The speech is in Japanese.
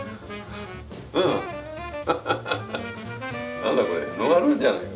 何だこれノンアルじゃないか。